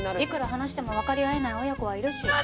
いくら話してもわかり合えない親子はいるし。